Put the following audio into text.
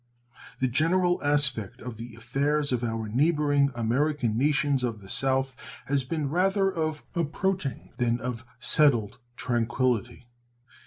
The general aspect of the affairs of our neighboring American nations of the south has been rather of approaching than of settled tranquillity.